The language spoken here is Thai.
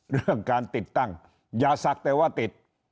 เรื่องการติดตั้งอย่าศักดิ์แต่ว่าติด